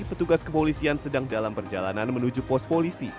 petugas kepolisian sedang dalam perjalanan menuju pos polisi